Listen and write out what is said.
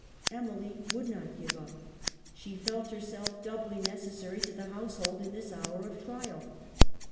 Emily would not give up. She felt herself doubly necessary to the household in this hour of trial.